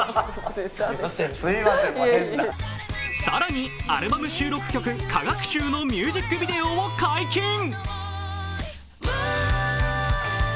更にアルバム収録曲「過学習」のミュージックビデオを解禁。